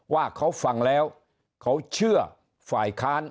ว่าเขาฟังแล้วเขาเชื่อฝ่ายค้าน